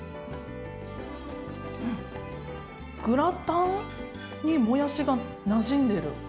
グラタンにもやしがなじんでる。